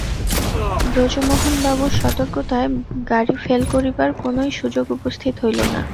ব্রজমোহনবাবুর সতর্কতায় গাড়ি ফেল করিবার কোনোই সুযোগ উপস্থিত হইল না।